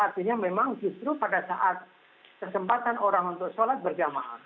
artinya memang justru pada saat kesempatan orang untuk sholat berjamaah